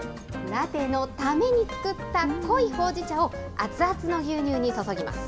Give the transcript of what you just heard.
ラテのために作った濃いほうじ茶を、熱々の牛乳に注ぎます。